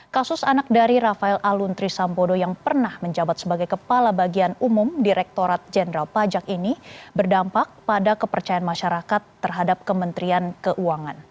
kasus anak dari rafael aluntri sambodo yang pernah menjabat sebagai kepala bagian umum direkturat jenderal pajak ini berdampak pada kepercayaan masyarakat terhadap kementerian keuangan